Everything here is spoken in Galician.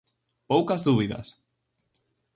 Poucas dúbidas.